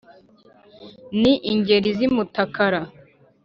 Ni Ingeri z' i Mutakara